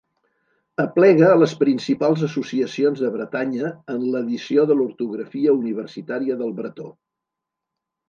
Aplega les principals associacions de Bretanya en l'edició de l'ortografia universitària del bretó.